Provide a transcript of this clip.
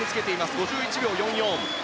５１秒４４。